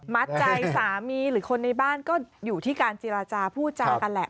มัดใจสามีหรือคนในบ้านก็อยู่ที่การเจรจาพูดจากันแหละ